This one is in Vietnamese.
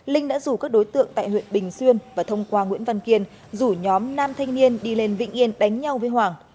linh đã rủ các đối tượng tại huyện bình xuyên và thông qua nguyễn văn kiên rủ nhóm nam thanh niên đi lên vĩnh yên đánh nhau với hoàng